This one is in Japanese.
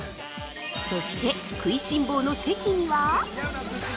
そして、食いしん坊の関には？